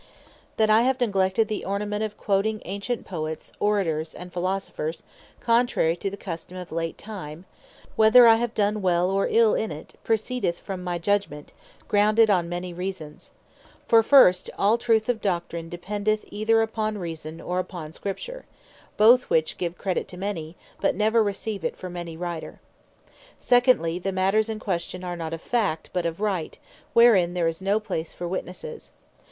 That I have neglected the Ornament of quoting ancient Poets, Orators, and Philosophers, contrary to the custome of late time, (whether I have done well or ill in it,) proceedeth from my judgment, grounded on many reasons. For first, all Truth of Doctrine dependeth either upon Reason, or upon Scripture; both which give credit to many, but never receive it from any Writer. Secondly, the matters in question are not of Fact, but of Right, wherein there is no place for Witnesses.